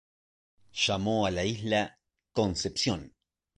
Llamó a la isla "Concepción".